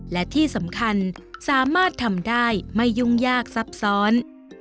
และที่สำคัญสามารถทำได้ไม่ยุ่งยากซับซ้อน